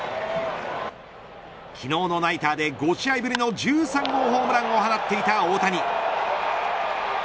昨日のナイターで５試合ぶりの１３号ホームランを放っていた大谷。